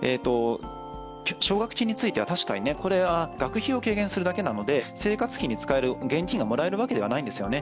奨学金については確かに学費を軽減するだけなので生活費に使える現金がもらえるわけではないんですね。